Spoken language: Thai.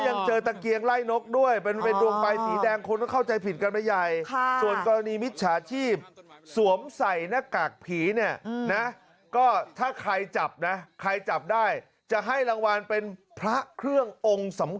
อันนี้คือหมายถึงคนขโมยที่ใส่หน้ากากมาขโมยใช่ไหม